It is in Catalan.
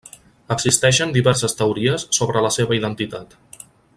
Existeixen diverses teories sobre la seva identitat.